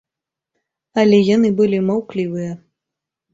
Але яны былі маўклівыя.